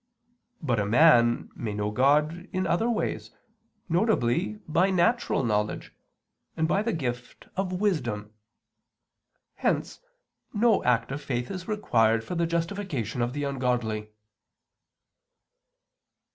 But a man may know God in other ways, viz. by natural knowledge, and by the gift of wisdom. Hence no act of faith is required for the justification of the ungodly.